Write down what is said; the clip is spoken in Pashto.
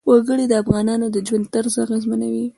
وګړي د افغانانو د ژوند طرز اغېزمنوي.